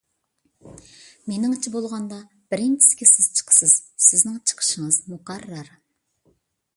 مېنىڭچە بولغاندا، بىرىنچىسىگە سىز چىقىسىز، سىزنىڭ چىقىشىڭىز مۇقەررەر.